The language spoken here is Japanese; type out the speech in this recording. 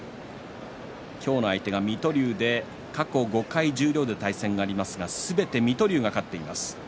今日の相手は水戸龍で過去５回十両で対戦がありますがすべてに水戸龍が勝っています。